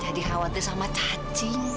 jadi khawatir sama cacing